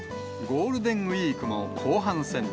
ゴールデンウィークも後半戦。